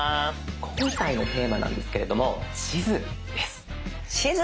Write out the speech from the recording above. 今回のテーマなんですけれども地図です。